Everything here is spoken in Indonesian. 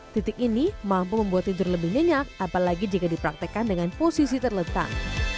titik ini mampu membuat tidur lebih nyenyak apalagi jika dipraktekkan dengan posisi terletak